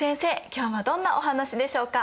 今日はどんなお話でしょうか？